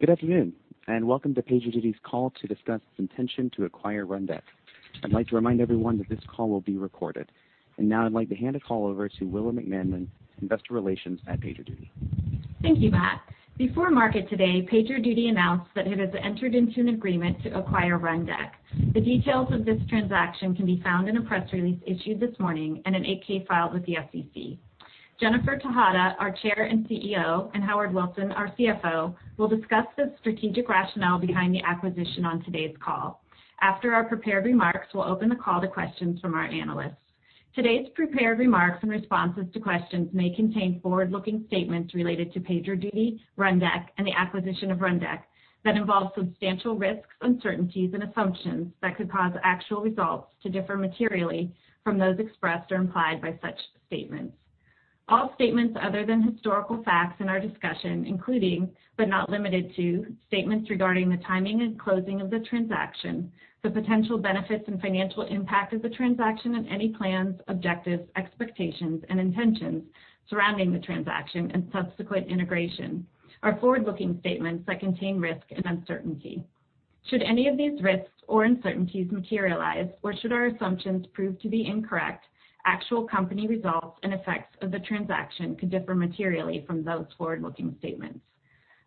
Good afternoon, welcome to PagerDuty's call to discuss its intention to acquire Rundeck. I'd like to remind everyone that this call will be recorded. Now I'd like to hand the call over to Willa McManmon, investor relations at PagerDuty. Thank you, Matt. Before market today, PagerDuty announced that it has entered into an agreement to acquire Rundeck. The details of this transaction can be found in a press release issued this morning and an 8-K filed with the SEC. Jennifer Tejada, our chair and CEO, and Howard Wilson, our CFO, will discuss the strategic rationale behind the acquisition on today's call. After our prepared remarks, we'll open the call to questions from our analysts. Today's prepared remarks and responses to questions may contain forward-looking statements related to PagerDuty, Rundeck, and the acquisition of Rundeck that involve substantial risks, uncertainties, and assumptions that could cause actual results to differ materially from those expressed or implied by such statements. All statements other than historical facts in our discussion, including, but not limited to, statements regarding the timing and closing of the transaction, the potential benefits and financial impact of the transaction and any plans, objectives, expectations, and intentions surrounding the transaction and subsequent integration, are forward-looking statements that contain risk and uncertainty. Should any of these risks or uncertainties materialize, or should our assumptions prove to be incorrect, actual company results and effects of the transaction could differ materially from those forward-looking statements.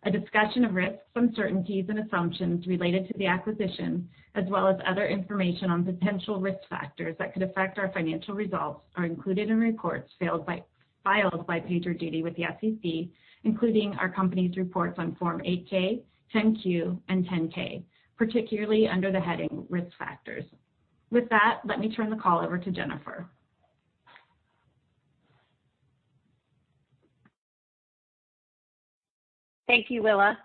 A discussion of risks, uncertainties, and assumptions related to the acquisition, as well as other information on potential risk factors that could affect our financial results, are included in reports filed by PagerDuty with the SEC, including our company's reports on Form 8-K, 10-Q, and 10-K, particularly under the heading Risk Factors. With that, let me turn the call over to Jennifer. Thank you, Willa.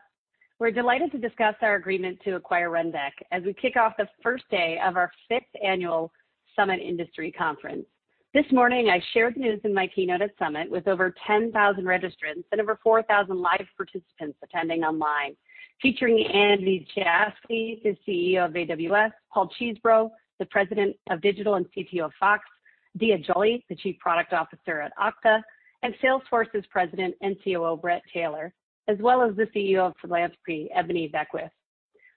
We're delighted to discuss our agreement to acquire Rundeck as we kick off the first day of our fifth annual Summit industry conference. This morning, I shared news in my keynote at Summit with over 10,000 registrants and over 4,000 live participants attending online, featuring Andy Jassy, the CEO of AWS, Paul Cheesbrough, the President of Digital and CPO of Fox, Diya Jolly, the Chief Product Officer at Okta, and Salesforce's President and COO, Bret Taylor, as well as the CEO of Philanthropy, Ebony Beckwith.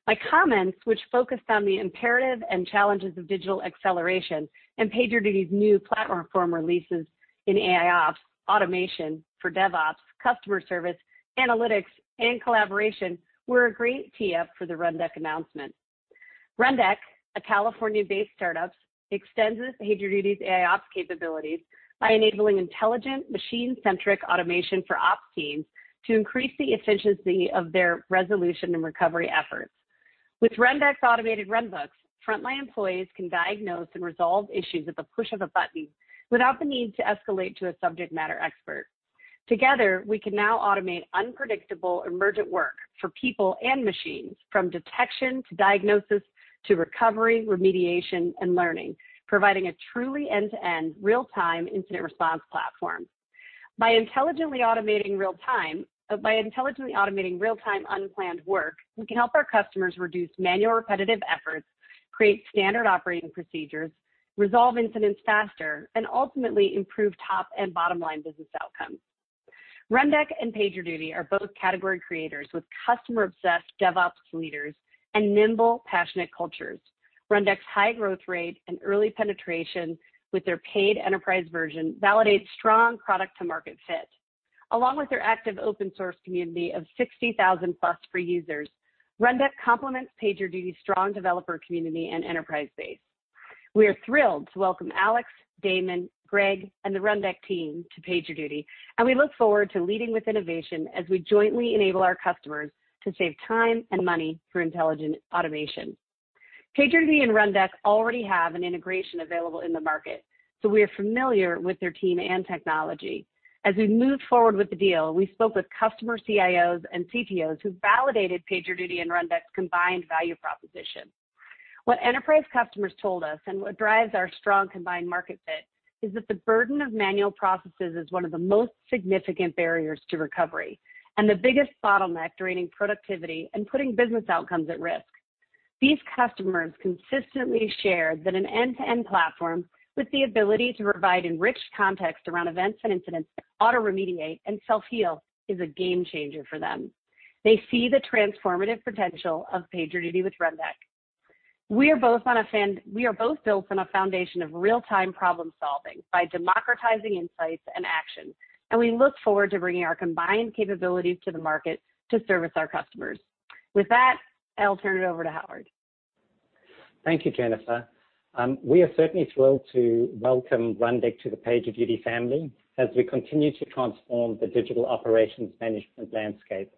My comments, which focused on the imperative and challenges of digital acceleration and PagerDuty's new platform releases in AIOps, automation for DevOps, customer service, analytics, and collaboration, were a great tee-up for the Rundeck announcement. Rundeck, a California-based startup, extends PagerDuty's AIOps capabilities by enabling Intelligent Machine-Centric Automation for Ops Teams to increase the efficiency of their resolution and recovery efforts. With Rundeck's automated runbooks, frontline employees can diagnose and resolve issues at the push of a button without the need to escalate to a subject matter expert. Together, we can now automate unpredictable emergent work for people and machines, from detection to diagnosis, to recovery, remediation, and learning, providing a truly end-to-end real-time incident response platform. By intelligently automating real-time unplanned work, we can help our customers reduce manual repetitive efforts, create standard operating procedures, resolve incidents faster, and ultimately improve top and bottom line business outcomes. Rundeck and PagerDuty are both category creators with customer-obsessed DevOps leaders and nimble, passionate cultures. Rundeck's high growth rate and early penetration with their paid enterprise version validates strong product to market fit. Along with their active open source community of 60,000+ free users, Rundeck complements PagerDuty's strong developer community and enterprise base. We are thrilled to welcome Alex, Damon, Greg, and the Rundeck team to PagerDuty, and we look forward to leading with innovation as we jointly enable our customers to save time and money through intelligent automation. PagerDuty and Rundeck already have an integration available in the market, so we are familiar with their team and technology. As we moved forward with the deal, we spoke with customer CIOs and CTOs who validated PagerDuty and Rundeck's combined value proposition. What enterprise customers told us and what drives our strong combined market fit is that the burden of manual processes is one of the most significant barriers to recovery and the biggest bottleneck draining productivity and putting business outcomes at risk. These customers consistently shared that an end-to-end platform with the ability to provide enriched context around events and incidents that auto-remediate and self-heal is a game changer for them. They see the transformative potential of PagerDuty with Rundeck. We are both built on a foundation of real-time problem-solving by democratizing insights and action, and we look forward to bringing our combined capabilities to the market to service our customers. With that, I'll turn it over to Howard. Thank you, Jennifer. We are certainly thrilled to welcome Rundeck to the PagerDuty family as we continue to transform the digital operations management landscape.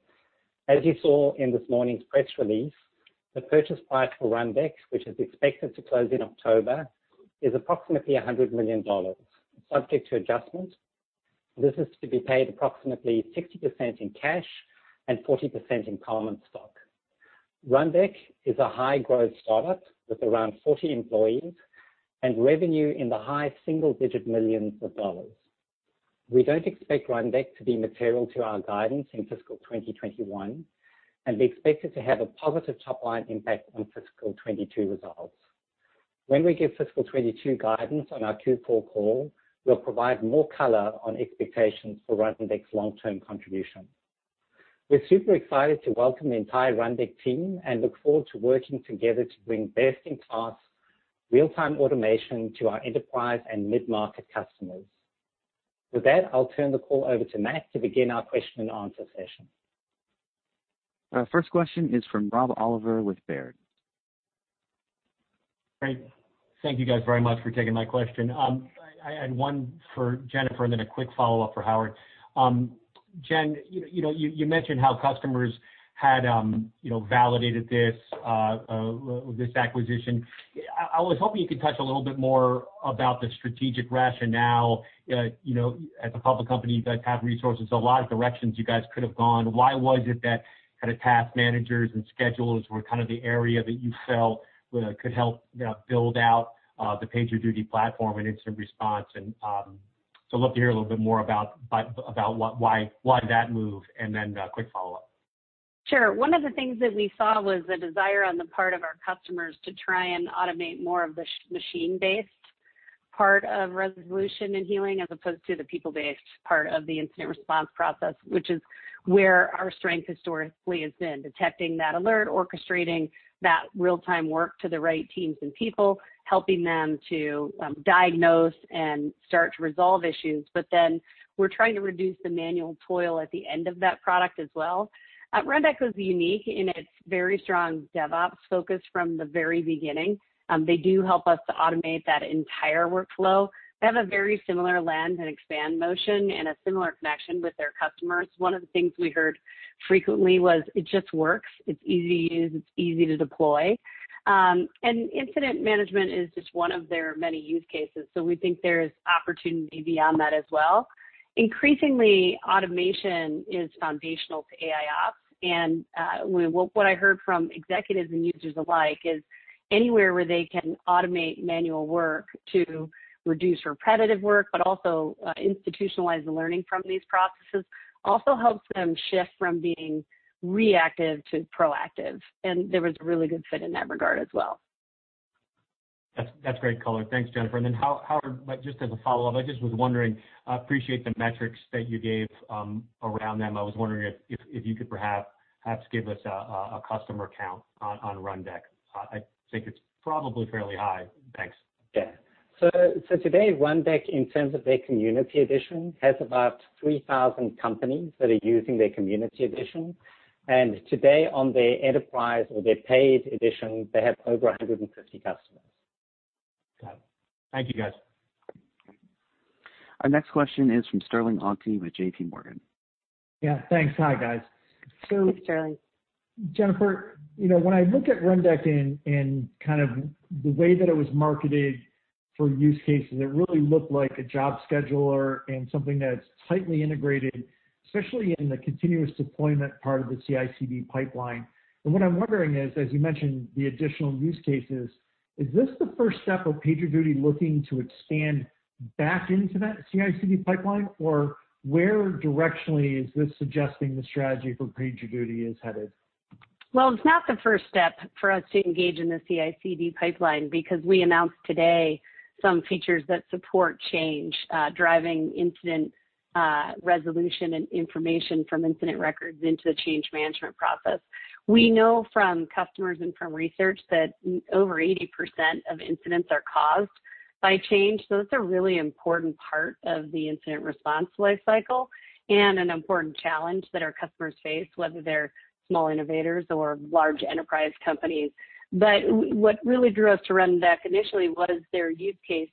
As you saw in this morning's press release, the purchase price for Rundeck, which is expected to close in October, is approximately $100 million, subject to adjustment. This is to be paid approximately 60% in cash and 40% in common stock. Rundeck is a high-growth startup with around 40 employees and revenue in the high single-digit millions of dollars. We don't expect Rundeck to be material to our guidance in fiscal 2021, and we expect it to have a positive top-line impact on fiscal 2022 results. When we give fiscal 2022 guidance on our Q4 call, we'll provide more color on expectations for Rundeck's long-term contribution. We're super excited to welcome the entire Rundeck team and look forward to working together to bring best-in-class real-time automation to our enterprise and mid-market customers. With that, I'll turn the call over to Matt to begin our question and answer session. Our first question is from Rob Oliver with Baird. Great. Thank you guys very much for taking my question. I had one for Jennifer and then a quick follow-up for Howard. Jen, you mentioned how customers had validated this acquisition. I was hoping you could touch a little bit more about the strategic rationale. As a public company, you guys have resources, a lot of directions you guys could have gone. Why was it that task managers and schedulers were the area that you felt could help build out the PagerDuty platform and incident response? I'd love to hear a little bit more about why that move, and then a quick follow-up. Sure. One of the things that we saw was the desire on the part of our customers to try and automate more of the machine-based part of resolution and healing as opposed to the people-based part of the incident response process, which is where our strength historically has been, detecting that alert, orchestrating that real-time work to the right teams and people, helping them to diagnose and start to resolve issues. We're trying to reduce the manual toil at the end of that product as well. Rundeck was unique in its very strong DevOps focus from the very beginning. They do help us to automate that entire workflow. They have a very similar land and expand motion and a similar connection with their customers. One of the things we heard frequently was it just works. It's easy to use, it's easy to deploy. Incident management is just one of their many use cases. We think there is opportunity beyond that as well. Increasingly, automation is foundational to AIOps, and what I heard from executives and users alike is anywhere where they can automate manual work to reduce repetitive work, but also institutionalize the learning from these processes also helps them shift from being reactive to proactive. There was a really good fit in that regard as well. That's great color. Thanks, Jennifer. Howard, just as a follow-up, I just was wondering, I appreciate the metrics that you gave around them. I was wondering if you could perhaps give us a customer count on Rundeck. I think it's probably fairly high. Thanks. Yeah. Today, Rundeck, in terms of their community edition, has about 3,000 companies that are using their community edition. Today on their enterprise or their paid edition, they have over 150 customers. Okay. Thank you, guys. Our next question is from Sterling Auty with JPMorgan. Yeah, thanks. Hi, guys. Thanks, Sterling. Jennifer, when I look at Rundeck and the way that it was marketed for use cases, it really looked like a job scheduler and something that's tightly integrated, especially in the continuous deployment part of the CI/CD pipeline. What I'm wondering is, as you mentioned the additional use cases, is this the first step of PagerDuty looking to expand back into that CI/CD pipeline? Where directionally is this suggesting the strategy for PagerDuty is headed? It's not the first step for us to engage in the CI/CD pipeline because we announced today some features that support change, driving incident resolution and information from incident records into the change management process. We know from customers and from research that over 80% of incidents are caused by change. That's a really important part of the incident response lifecycle and an important challenge that our customers face, whether they're small innovators or large enterprise companies. What really drew us to Rundeck initially was their use case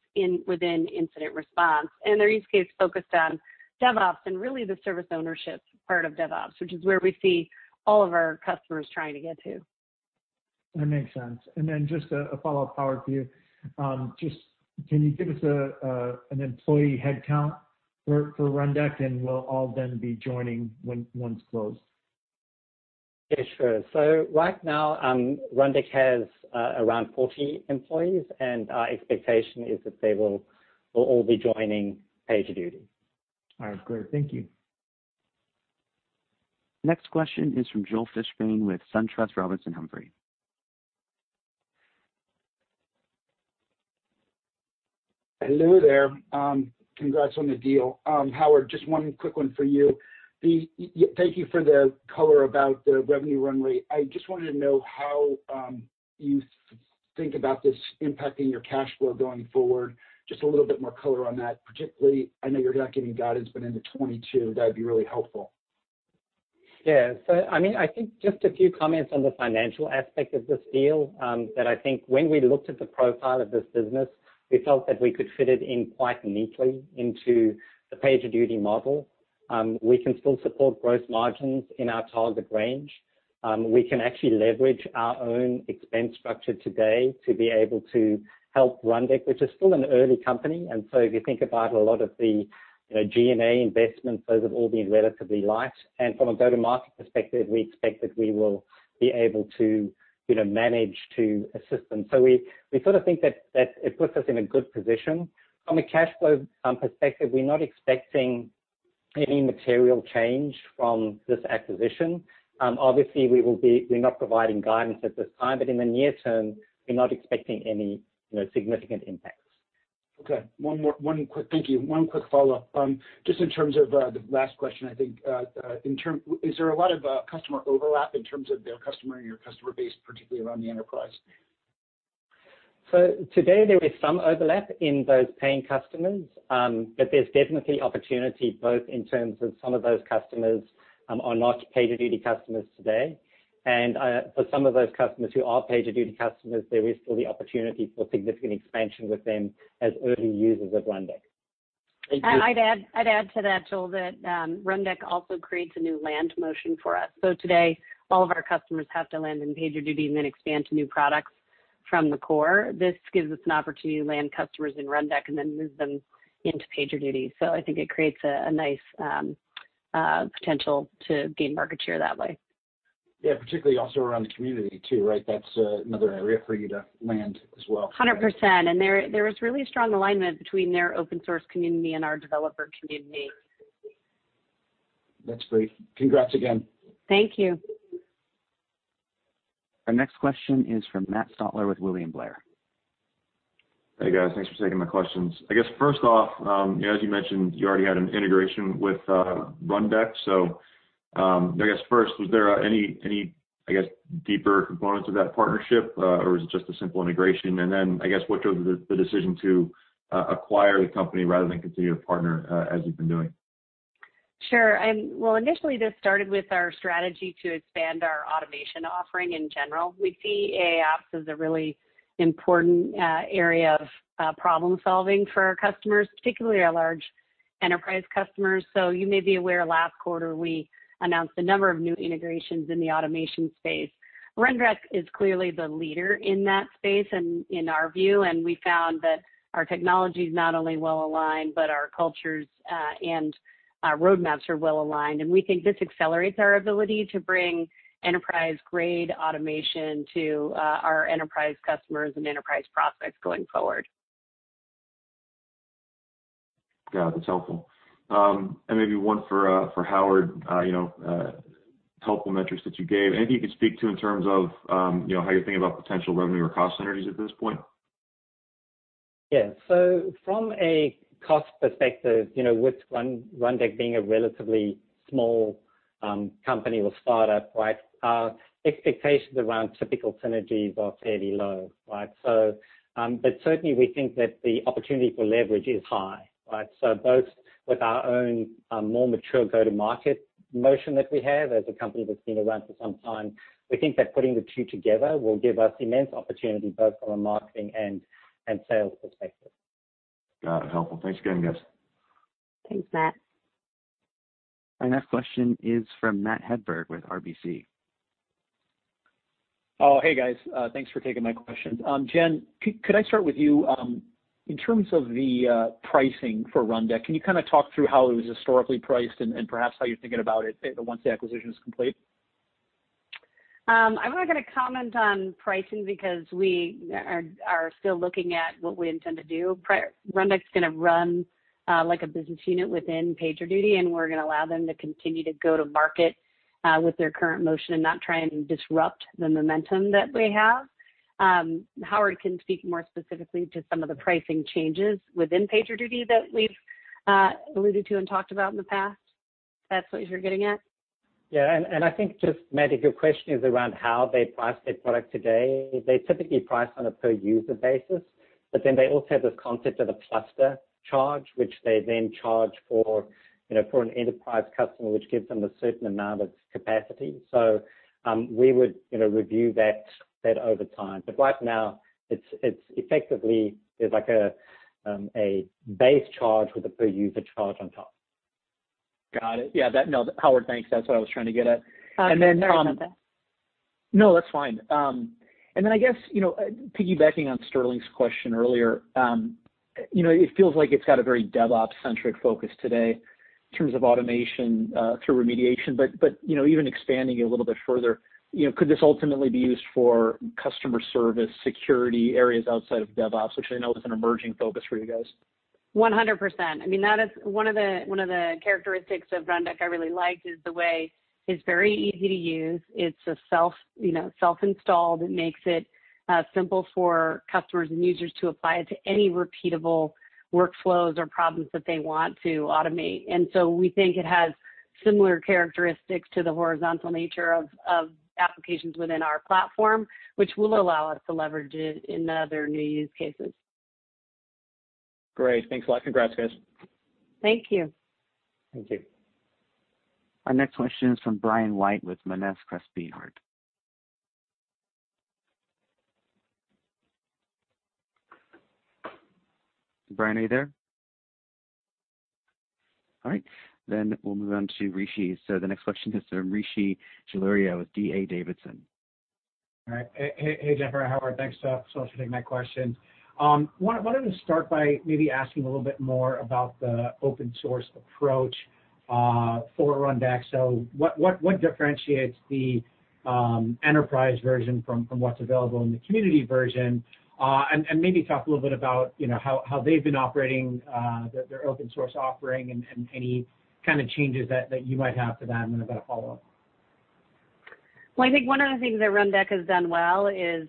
within incident response, and their use case focused on DevOps and really the service ownership part of DevOps, which is where we see all of our customers trying to get to. That makes sense. Then just a follow-up, Howard, for you. Can you give us an employee headcount for Rundeck and will all of them be joining once closed? Yeah, sure. Right now, Rundeck has around 40 employees, and our expectation is that they will all be joining PagerDuty. All right, great. Thank you. Next question is from Joel Fishbein with SunTrust Robinson Humphrey. Hello there. Congrats on the deal. Howard, just one quick one for you. Thank you for the color about the revenue run rate. I just wanted to know how you think about this impacting your cash flow going forward. Just a little bit more color on that. Particularly, I know you're not giving guidance, but into 2022, that'd be really helpful. Yeah. I think just a few comments on the financial aspect of this deal, that I think when we looked at the profile of this business, we felt that we could fit it in quite neatly into the PagerDuty model. We can still support gross margins in our target range. We can actually leverage our own expense structure today to be able to help Rundeck, which is still an early company. If you think about a lot of the G&A investments, those have all been relatively light. From a go-to-market perspective, we expect that we will be able to manage to assist them. We think that it puts us in a good position. From a cash flow perspective, we're not expecting any material change from this acquisition. Obviously, we're not providing guidance at this time, but in the near term, we're not expecting any significant impacts. Okay. Thank you. One quick follow-up. Just in terms of the last question, I think, is there a lot of customer overlap in terms of their customer and your customer base, particularly around the enterprise? Today, there is some overlap in those paying customers, but there's definitely opportunity both in terms of some of those customers are not PagerDuty customers today. For some of those customers who are PagerDuty customers, there is still the opportunity for significant expansion with them as early users of Rundeck. Thank you. I'd add to that, Joel, that Rundeck also creates a new land motion for us. Today, all of our customers have to land in PagerDuty and then expand to new products from the core. This gives us an opportunity to land customers in Rundeck and then move them into PagerDuty. I think it creates a nice potential to gain market share that way. Yeah, particularly also around the community too, right? That's another area for you to land as well. 100%. There is really a strong alignment between their open source community and our developer community. That's great. Congrats again. Thank you. Our next question is from Matt Stotler with William Blair. Hey, guys. Thanks for taking my questions. I guess first off, as you mentioned, you already had an integration with Rundeck. I guess first, was there any deeper components of that partnership or was it just a simple integration? Then, I guess, what drove the decision to acquire the company rather than continue to partner as you've been doing? Sure. Well, initially, this started with our strategy to expand our automation offering in general. We see AIOps as a really important area of problem-solving for our customers, particularly our large enterprise customers. You may be aware, last quarter we announced a number of new integrations in the automation space. Rundeck is clearly the leader in that space in our view, and we found that our technology is not only well-aligned, but our cultures and our roadmaps are well aligned. We think this accelerates our ability to bring enterprise-grade automation to our enterprise customers and enterprise prospects going forward. Got it. That's helpful. Maybe one for Howard. Helpful metrics that you gave. Anything you could speak to in terms of how you're thinking about potential revenue or cost synergies at this point? Yeah. From a cost perspective, with Rundeck being a relatively small company or startup, our expectations around typical synergies are fairly low. Certainly, we think that the opportunity for leverage is high. Both with our own more mature go-to-market motion that we have as a company that's been around for some time, we think that putting the two together will give us immense opportunity both from a marketing and sales perspective. Got it. Helpful. Thanks again, guys. Thanks, Matt. Our next question is from Matt Hedberg with RBC. Oh, hey, guys. Thanks for taking my questions. Jen, could I start with you? In terms of the pricing for Rundeck, can you kind of talk through how it was historically priced and perhaps how you're thinking about it once the acquisition is complete? I'm not going to comment on pricing because we are still looking at what we intend to do. Rundeck's going to run like a business unit within PagerDuty, and we're going to allow them to continue to go to market with their current motion and not try and disrupt the momentum that they have. Howard can speak more specifically to some of the pricing changes within PagerDuty that we've alluded to and talked about in the past, if that's what you're getting at. Yeah, I think just, Matt, if your question is around how they price their product today, they typically price on a per user basis, they also have this concept of a cluster charge, which they then charge for an enterprise customer, which gives them a certain amount of capacity. We would review that over time. Right now, it's effectively like a base charge with a per user charge on top. Got it. Yeah. Howard, thanks. That's what I was trying to get at. Sorry about that. No, that's fine. I guess, piggybacking on Sterling's question earlier, it feels like it's got a very DevOps centric focus today in terms of automation through remediation. Even expanding it a little bit further, could this ultimately be used for customer service security areas outside of DevOps, which I know is an emerging focus for you guys? 100%. One of the characteristics of Rundeck I really liked is the way it's very easy to use. It's self-installed. It makes it simple for customers and users to apply it to any repeatable workflows or problems that they want to automate. We think it has similar characteristics to the horizontal nature of applications within our platform, which will allow us to leverage it in other new use cases. Great. Thanks a lot. Congrats, guys. Thank you. Thank you. Our next question is from Brian White with Monness, Crespi, Hardt. Brian, are you there? All right, we'll move on to Rishi. The next question is from Rishi Jaluria with D.A. Davidson. All right. Hey, Jennifer and Howard. Thanks for taking my questions. Wanted to start by maybe asking a little bit more about the open source approach for Rundeck. What differentiates the enterprise version from what's available in the community version? Maybe talk a little bit about how they've been operating their open source offering and any kind of changes that you might have to that. I've got a follow-up. Well, I think one of the things that Rundeck has done well is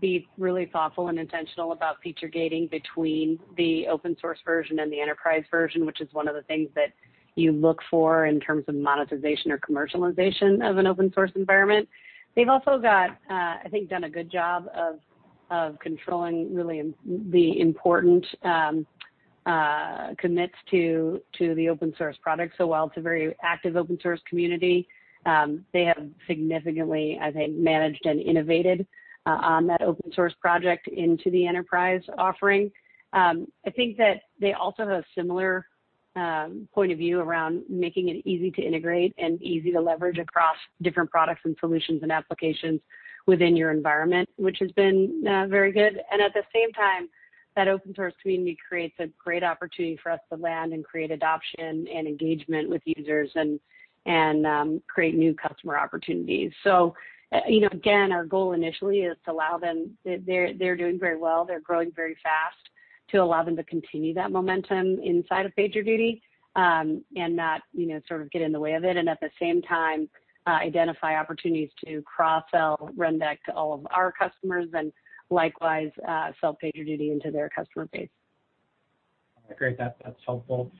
be really thoughtful and intentional about feature gating between the open source version and the enterprise version, which is one of the things that you look for in terms of monetization or commercialization of an open source environment. They've also, I think, done a good job of controlling really the important commits to the open source product. While it's a very active open source community, they have significantly, I think, managed and innovated on that open source project into the enterprise offering. I think that they also have a similar point of view around making it easy to integrate and easy to leverage across different products and solutions and applications within your environment, which has been very good. At the same time, that open source community creates a great opportunity for us to land and create adoption and engagement with users and create new customer opportunities. Again, our goal initially is to allow them, they're doing very well, they're growing very fast, to allow them to continue that momentum inside of PagerDuty, and not sort of get in the way of it, and at the same time, identify opportunities to cross-sell Rundeck to all of our customers and likewise, sell PagerDuty into their customer base. Great. That's helpful.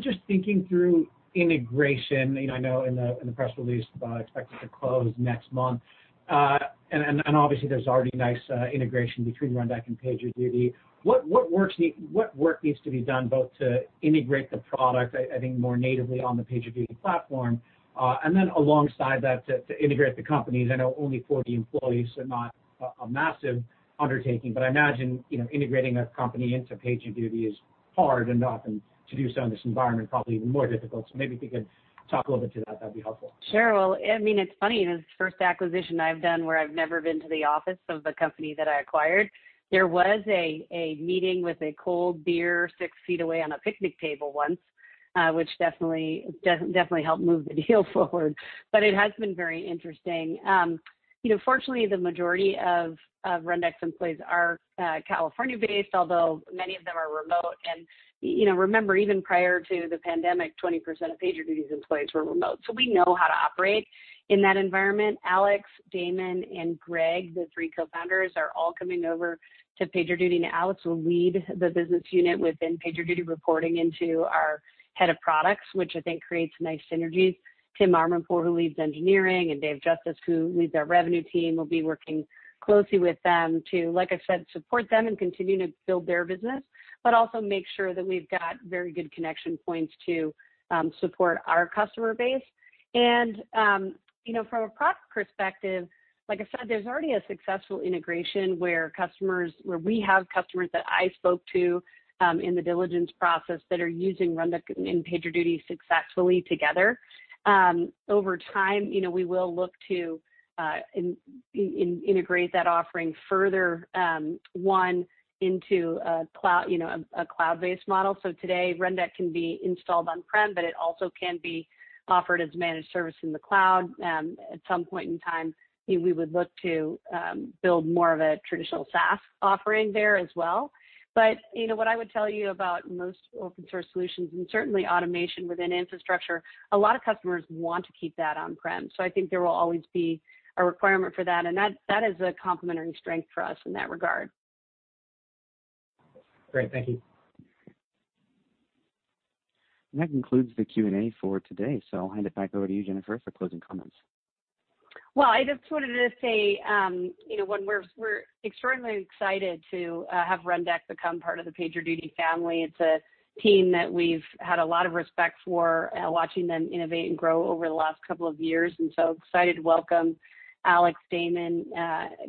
Just thinking through integration, I know in the press release about expected to close next month. Obviously there's already nice integration between Rundeck and PagerDuty. What work needs to be done both to integrate the product, I think, more natively on the PagerDuty platform, alongside that to integrate the companies? I know only 40 employees, not a massive undertaking, I'd imagine integrating a company into PagerDuty is hard and often to do so in this environment, probably even more difficult. Maybe if you could talk a little bit to that'd be helpful. Sure. Well, it's funny, this is the first acquisition I've done where I've never been to the office of the company that I acquired. There was a meeting with a cold beer six feet away on a picnic table once, which definitely helped move the deal forward. It has been very interesting. Fortunately, the majority of Rundeck's employees are California-based, although many of them are remote. Remember, even prior to the pandemic, 20% of PagerDuty's employees were remote. We know how to operate in that environment. Alex, Damon, and Greg, the three co-founders, are all coming over to PagerDuty. Alex will lead the business unit within PagerDuty reporting into our head of products, which I think creates nice synergies. Tim Armandpour, who leads engineering, and Dave Justice, who leads our revenue team, will be working closely with them to, like I said, support them and continue to build their business, but also make sure that we've got very good connection points to support our customer base. From a product perspective, like I said, there's already a successful integration where we have customers that I spoke to, in the diligence process that are using Rundeck and PagerDuty successfully together. Over time, we will look to integrate that offering further, one, into a cloud-based model. Today, Rundeck can be installed on-prem, but it also can be offered as a managed service in the cloud. At some point in time, we would look to build more of a traditional SaaS offering there as well. What I would tell you about most open source solutions, and certainly automation within infrastructure, a lot of customers want to keep that on-prem. I think there will always be a requirement for that, and that is a complementary strength for us in that regard. Great. Thank you. That concludes the Q&A for today. I'll hand it back over to you, Jennifer, for closing comments. I just wanted to say we're extremely excited to have Rundeck become part of the PagerDuty family. It's a team that we've had a lot of respect for, watching them innovate and grow over the last couple of years, excited to welcome Alex, Damon,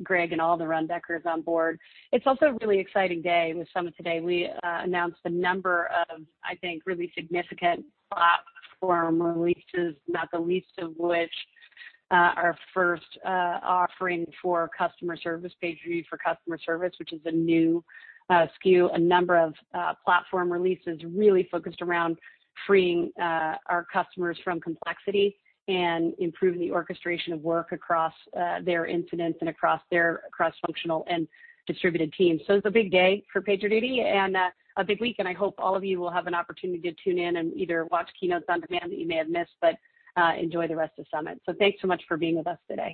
Greg, and all the Rundeckers on board. It's also a really exciting day with Summit today. We announced a number of, I think, really significant platform releases, not the least of which our first offering for customer service, PagerDuty for Customer Service, which is a new SKU. A number of platform releases really focused around freeing our customers from complexity and improving the orchestration of work across their incidents and across their cross-functional and distributed teams. It's a big day for PagerDuty and a big week, and I hope all of you will have an opportunity to tune in and either watch keynotes on demand that you may have missed, but enjoy the rest of Summit. Thanks so much for being with us today.